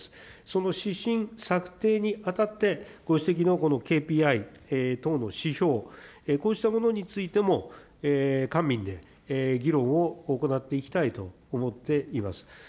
その指針策定にあたって、ご指摘のこのＫＰＩ等の指標、こうしたものについても、官民で議論を行っていきたいと思っています。